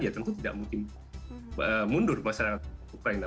ya tentu tidak mungkin mundur masyarakat ukraina